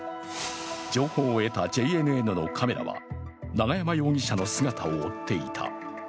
情報を得たＪＮＮのカメラは永山容疑者の姿を追っていた。